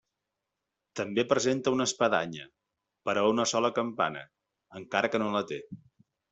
També presenta una espadanya, per a una sola campana, encara que no la té.